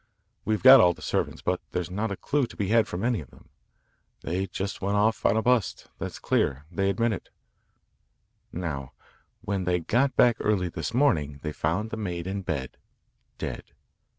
We've got all the servants, but there's not a clue to be had from any of them. They just went off on a bust, that's clear. They admit it. "Now, when they got back early this morning they found the maid in bed dead.